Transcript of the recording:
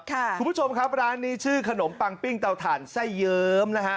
คุณผู้ชมครับร้านนี้ชื่อขนมปังปิ้งเตาถ่านไส้เยิ้มนะฮะ